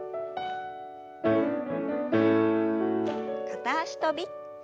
片脚跳び。